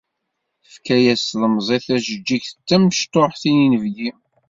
Tefka-yas tlemẓit tajeǧǧigt d tamecṭuḥt i inebgi.